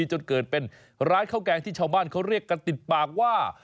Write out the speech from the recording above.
จนเกิดเป็นร้านข้าวแกงที่ชาวบ้านเขาเรียกกันติดปากว่า